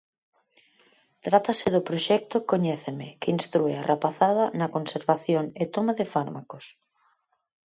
Trátase do proxecto 'Coñéceme', que instrúe a rapazada na conservación e toma de fármacos.